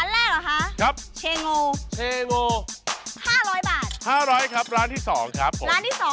ดูสไตล์การใส่โอ้โฮ